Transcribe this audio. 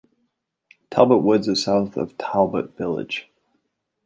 Talbot Woods is south of Talbot Village.